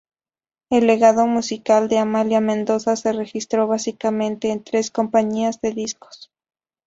El legado musical de Amalia Mendoza se registró básicamente en tres compañías de discos.